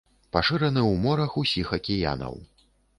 Пашыраны ў морах усіх акіянаў.